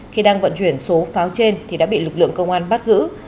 khi đang vận chuyển số pháo trên thì đã bị lực lượng công an bắt giữ